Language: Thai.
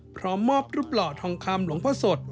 พร้อมมอบรูปหล่อทองคำหลวงพ่อสด